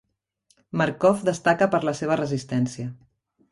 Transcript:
Markov destaca per la seva resistència.